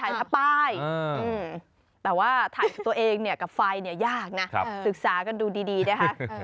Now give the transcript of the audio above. ถ่ายทับป้ายแต่ว่าถ่ายตัวเองกับไฟนี่ยากสึกษากันดูดีนะคะ